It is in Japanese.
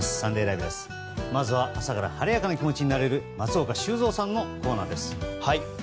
まずは朝から晴れやかな気持ちになれる松岡修造さんのコーナーです。